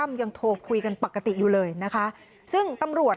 มีคนร้องบอกให้ช่วยด้วยก็เห็นภาพเมื่อสักครู่นี้เราจะได้ยินเสียงเข้ามาเลย